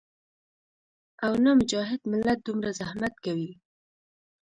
او نۀ مجاهد ملت دومره زحمت کوي